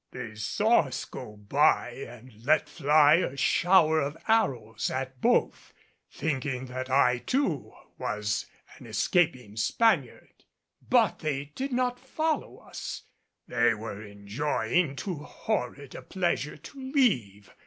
They saw us go by and let fly a shower of arrows at both, thinking that I too was an escaping Spaniard. But they did not follow us; they were enjoying too horrid a pleasure to leave.